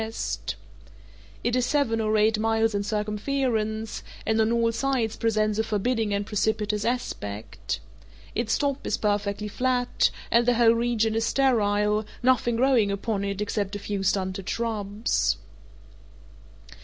It is seven or eight miles in circumference, and on all sides presents a forbidding and precipitous aspect. Its top is perfectly flat, and the whole region is sterile, nothing growing upon it except a few stunted shrubs.